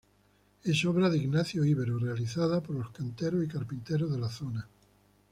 Es obra de Ignacio Ibero realizada por los canteros y carpinteros de la zona.